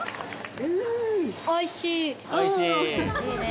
おいしい！